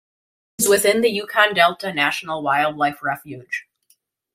It is within the Yukon Delta National Wildlife Refuge.